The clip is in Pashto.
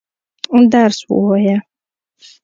درس وايه.